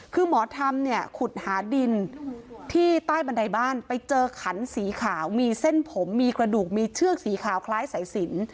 คือหมอธรรมเนี่ยขุดหาดินที่ใต้บันไดบ้านไปเจอขันสีขาวมีเส้นผมมีกระดูกมีเชือกสีขาวคล้ายสายสิน